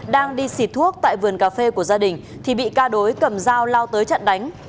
đang đi xịt thuốc tại vườn cà phê của gia đình thì bị ca đối cầm dao lao tới trận đánh